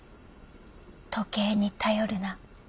時計に頼るな。